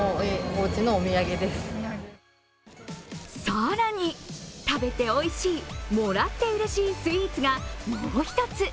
更に、食べておいしい、もらってうれしいスイーツがもう１つ。